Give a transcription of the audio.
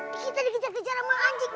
kita dikejar kejar sama anjing